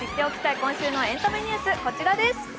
今週のエンタメニュース、こちらです。